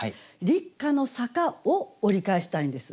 「立夏の坂」を折り返したいんです。